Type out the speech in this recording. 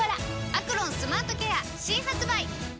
「アクロンスマートケア」新発売！